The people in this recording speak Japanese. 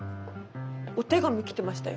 お手紙来てましたよ。